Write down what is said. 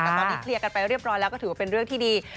แต่ตอนนี้เคลียร์กันไปเรียบร้อยแล้วก็ถือว่าเป็นเรื่องที่ดี